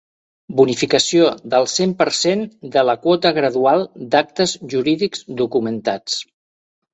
Bonificació del cent per cent de la quota gradual d'actes jurídics documentats.